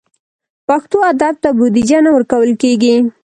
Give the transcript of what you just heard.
پښتو ادب ته بودیجه نه ورکول کېږي.